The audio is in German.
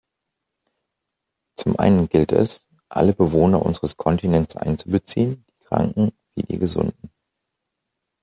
Zum einen gilt es, alle Bewohner unseres Kontinents einzubeziehen, die Kranken wie die Gesunden.